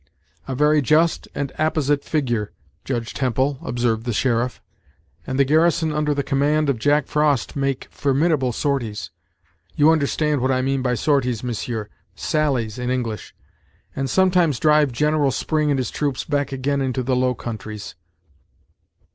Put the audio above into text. "A very just and apposite figure, Judge Temple," observed the sheriff; "and the garrison under the command of Jack Frost make formidable sorties you understand what I mean by sorties, monsieur; sallies, in English and sometimes drive General Spring and his troops back again into the low countries."